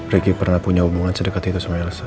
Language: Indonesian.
ricky pernah punya hubungan sedekat itu sama elsa